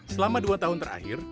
selama dua tahun terakhir